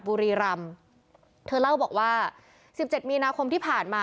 บุรีรำเธอเล่าบอกว่าสิบเจ็ดมีนาคมที่ผ่านมา